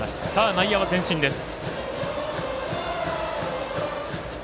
内野は前進です。